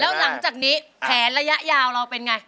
แล้วหลังจากนี้แผนระยะยาวเราเป็นไง